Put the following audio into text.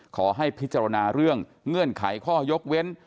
ขอให้พิจารณาเรื่องเงื่อนไขข้อยกเว้น